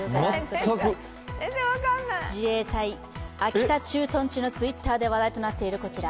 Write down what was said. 自衛隊秋田駐屯地のＴｗｉｔｔｅｒで話題となっているこちら。